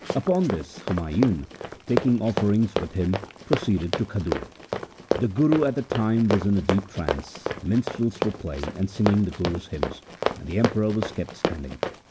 Upon this Humayun, taking offerings with him, proceeded to Khadur. The Guru at the time was in a deep trance, minstrels were playing and singing the Guru's hymns, and the Emperor was kept standing.